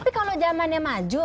tapi kalau zamannya maju